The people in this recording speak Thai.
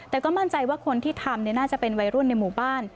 แต่ก็มั่นใจว่าคนที่ทำน่าจะเป็นวัยรุ่นในหมู่บ้าน